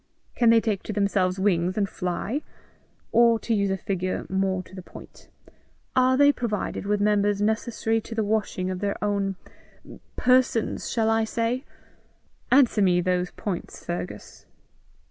Can they take to themselves wings and fly? Or to use a figure more to the point, are they provided with members necessary to the washing of their own persons, shall I say? Answer me those points, Fergus."